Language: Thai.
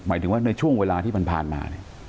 หมายถึงว่าในช่วงเวลาที่มันผ่านมา